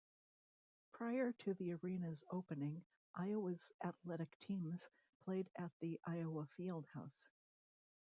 Prior to the arena's opening, Iowa's athletic teams played at the Iowa Field House.